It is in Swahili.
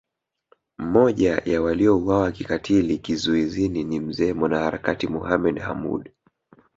Mmoja ya waliouawa kikatili kizuizini ni Mzee mwanaharakati Mohamed Hamoud